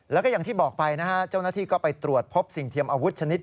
แล้วก็อย่างที่บอกไปนะฮะเจ้าหน้าที่ก็ไปตรวจพบสิ่งเทียมอาวุธชนิด